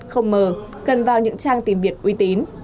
không mờ cần vào những trang tìm việt uy tín